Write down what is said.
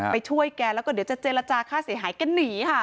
ไปช่วยแกแล้วก็เดี๋ยวจะเจรจาค่าเสียหายแกหนีค่ะ